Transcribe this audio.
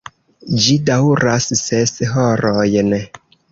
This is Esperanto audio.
Ĝi daŭras ses horojn.